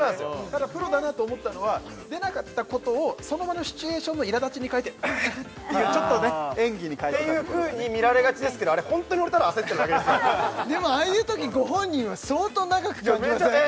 ただプロだなと思ったのは出なかったことをその場のシチュエーションのいらだちに変えて「ううん」ってちょっとね演技に変えてたところがていうふうに見られがちですがホントに俺焦ってるだけですからでもああいうときご本人は相当長く感じません？